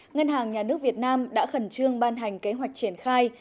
ngân hàng nhà nước việt nam đã khẩn trương ban hành kế hoạch triển khai